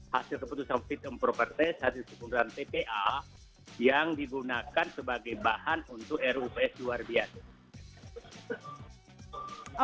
hasil keputusan fit and proper test hasil keputusan tpa yang digunakan sebagai bahan untuk rups luar biasa